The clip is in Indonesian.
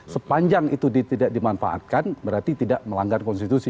sepanjang itu tidak dimanfaatkan berarti tidak melanggar konstitusi